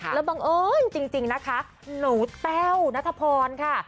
แล้วบังเอิญจริงนะคะหนูแต้วนัทพรค่ะ